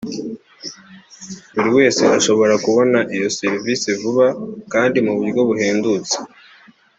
buri wese ashobora kubona iyi serivise vuba kandi mu buryo buhendutse